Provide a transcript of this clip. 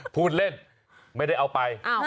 พูดเล่นไม่ได้เอาไป